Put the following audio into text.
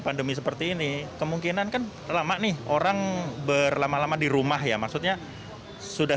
pandemi seperti ini kemungkinan kan lama nih orang berlama lama di rumah ya maksudnya sudah